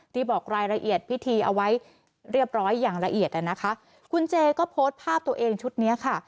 บอกรายละเอียดพิธีเอาไว้เรียบร้อยอย่างละเอียดอ่ะนะคะคุณเจก็โพสต์ภาพตัวเองชุดเนี้ยค่ะ